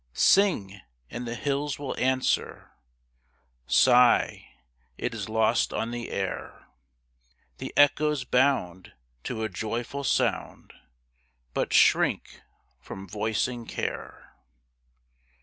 Sing, and the hills will answer; Sigh, it is lost on the air; The echoes bound to a joyful sound, But shrink from voicing care.